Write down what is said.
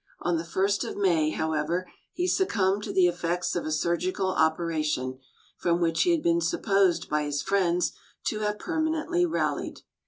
On the first of May, however, he succumbed to the effects of a surgical operation, from which he had been supposed by his friends tohave permanently rallied.